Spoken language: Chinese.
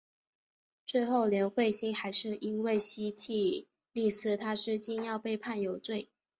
最后连惠心还是因为西替利司他是禁药被判有罪。